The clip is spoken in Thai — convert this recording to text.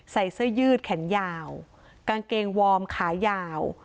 ใส่เสื้อยืดแขนยาวกางเกงวอร์มขายาว